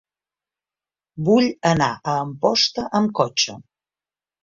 Vull anar a Amposta amb cotxe.